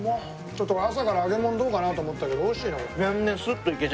ちょっと朝から揚げ物どうかなと思ったけどおいしいなこれ。